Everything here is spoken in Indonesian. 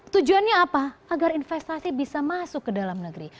tujuannya apa agar investasi bisa masuk ke dalam negeri